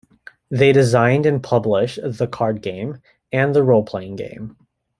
They designed and published the card game and the role-playing game.